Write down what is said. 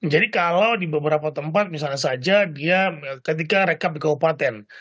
jadi kalau di beberapa tempat misalnya saja dia ketika rekap di kabupaten